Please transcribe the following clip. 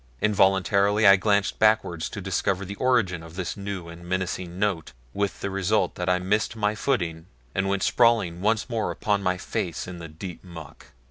Involuntarily I glanced backward to discover the origin of this new and menacing note with the result that I missed my footing and went sprawling once more upon my face in the deep muck.